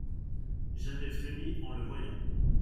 J'avais frémis en le voyant.